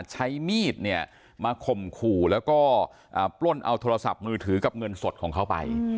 ใช้มีดเนี่ยมาข่มขู่แล้วก็ปล้นเอาโทรศัพท์มือถือกับเงินสดของเขาไป